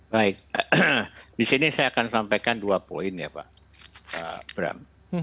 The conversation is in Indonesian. baik di sini saya akan sampaikan dua poin ya pak bram